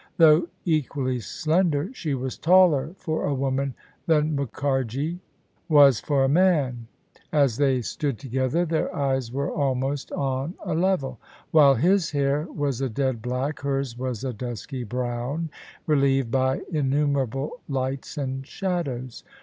Though equally slender, she was taller for a woman than Mukharji was for a man: as they stood together their eyes were almost on a level. While his hair was a dead black, hers was a dusky brown, relieved by in numerable lights and shadows.